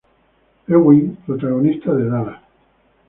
Ewing, protagonista de Dallas.